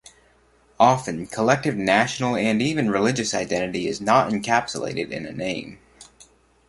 Often, collective national and even religious identity is not encapsulated in a name.